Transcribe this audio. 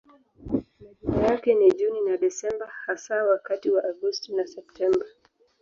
Majira yake ni Juni na Desemba hasa wakati wa Agosti na Septemba.